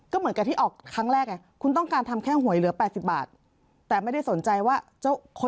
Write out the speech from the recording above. ก็เหมือนกับที่ออกครั้งแรก